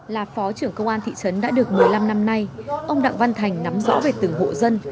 là phó trưởng công an thị trấn đã được một mươi năm năm nay ông đặng văn thành nắm rõ về từng hộ dân